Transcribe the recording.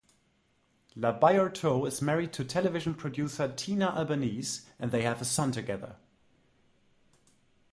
Labyorteaux is married to television producer Tina Albanese, and they have a son together.